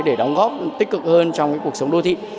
để đóng góp tích cực hơn trong cuộc sống đô thị